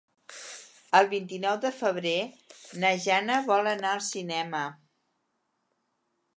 El vint-i-nou de febrer na Jana vol anar al cinema.